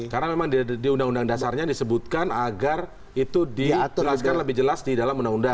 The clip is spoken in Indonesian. karena memang di undang undang dasarnya disebutkan agar itu dibilaskan lebih jelas di dalam undang undang